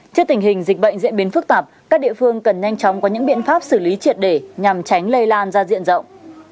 trước tình hình dịch bệnh diễn biến phức tạp các địa phương cần nhanh chóng có những biện pháp xử lý triệt để nhằm tránh lây lan ra diện rộng